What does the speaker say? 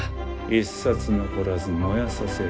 一冊残らず燃やさせる。